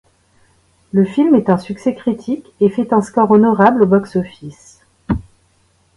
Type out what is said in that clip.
Le film est un succès critique et fait un score honorable au box office.